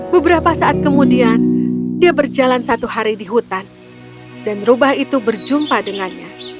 beberapa saat kemudian dia berjalan satu hari di hutan dan rubah itu berjumpa dengannya